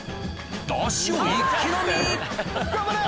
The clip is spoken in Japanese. だしを一気飲み頑張れ！